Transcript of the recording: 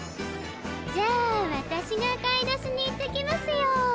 じゃあ私が買い出しに行ってきますよ。